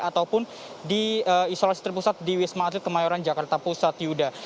ataupun di isolasi terpusat di wisma atlet kemayoran jakarta pusat yuda